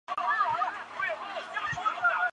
西蜀丁香是木犀科丁香属的植物。